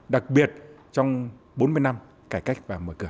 đặc biệt trong bốn mươi năm cải cách và mở cửa